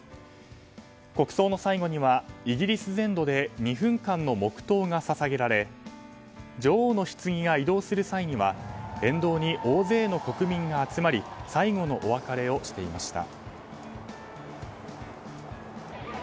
国葬の最後にはイギリス全土で２分間の黙祷が捧げられ女王のひつぎが移動する際には沿道に大勢の国民が集まり最後のお別れをしていました。